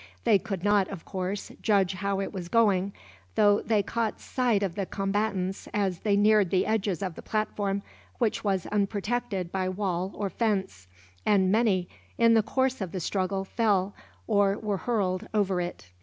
They could not, of course, judge how it was going; though they caught sight of the combatants as they neared the edges of the platform, which was unprotected by wall or fence; and many in the course of the struggle fell, or were hurled, over it.